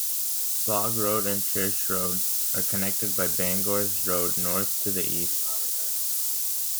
Slough Road and Church Road are connected by Bangors Road North to the east.